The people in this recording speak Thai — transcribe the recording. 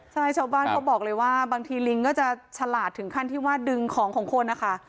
ใช่ชาวบ้านเขาบอกเลยว่าบางทีลิงก็จะฉลาดถึงขั้นที่ว่าดึงของของคนนะคะ